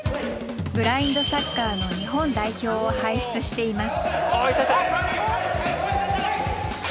ブラインドサッカーの日本代表を輩出しています。